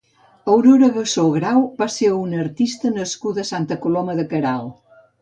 Aurora Gassó Grau va ser una artista nascuda a Santa Coloma de Queralt.